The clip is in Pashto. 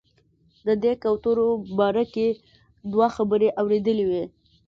د دې کوترو باره کې دوه خبرې اورېدلې وې.